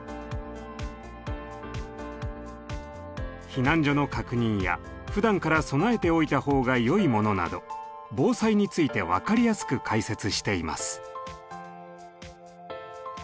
避難所の確認やふだんから備えておいた方がよいものなど防災について分かりやすく解説しています。